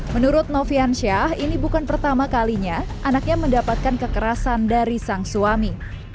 menurut noviansyah ini bukan pertama kalinya anaknya mendapatkan kekerasan dari sang suami